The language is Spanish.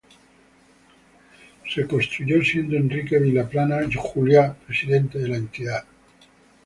Se construyó siendo Enrique Vilaplana Juliá, presidente de la entidad.